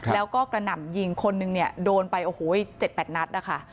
แล้วก็กระหน่ำยิงคนนึงเนี่ยโดนไปโอ้โห๗๘นัดนะคะ